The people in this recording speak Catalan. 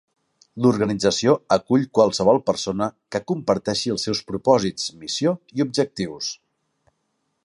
L'organització acull qualsevol persona que comparteixi els seus propòsits, missió i objectius.